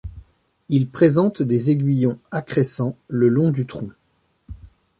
Il présente des aiguillons accrescents le long du tronc.